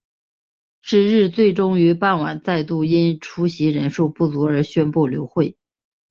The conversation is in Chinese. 是日最终于傍晚再度因出席人数不足而宣布流会。